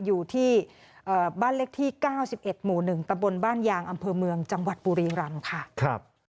อยู่ที่บ้านเลขที่๙๑หมู่๑ตะบนบ้านยางอำเภอเมืองจังหวัดบุรีรำค่ะ